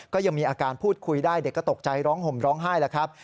ก็ยังมีอาการพูดคุยได้เด็กก็ตกใจร้องห่มร้องไห้แล้วครับ